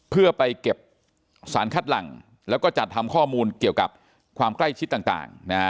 เพื่อไปเก็บสารคัดหลังแล้วก็จัดทำข้อมูลเกี่ยวกับความใกล้ชิดต่าง